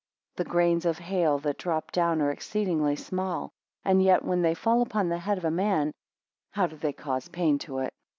The grains of hail that drop down are exceedingly small; and yet when they fall upon the head of a man, how do they cause pain to it.